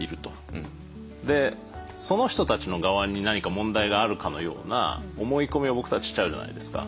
でその人たちの側に何か問題があるかのような思い込みを僕たちしちゃうじゃないですか。